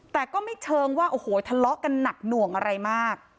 แต่ก็ไม่เชิงว่าโอ้โหทะเลาะกันหนักหน่วงอะไรมาก